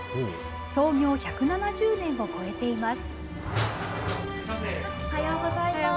創業１７０年を超えています。